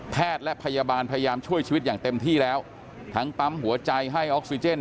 และพยาบาลพยายามช่วยชีวิตอย่างเต็มที่แล้วทั้งปั๊มหัวใจให้ออกซิเจน